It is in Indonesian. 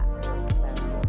udah kayak artis ya